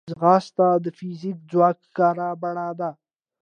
ځغاسته د فزیکي ځواک ښکاره بڼه ده